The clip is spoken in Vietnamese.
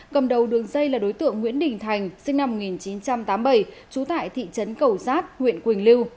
cầm đầu đường dây là đối tượng nguyễn đình thành sinh năm một nghìn chín trăm tám mươi bảy trú tại thị trấn cầu giác huyện quỳnh lưu